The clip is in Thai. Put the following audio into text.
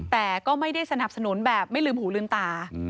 แต่ก็ไม่ได้สนับสนุนแบบไม่ลืมหูลืมตา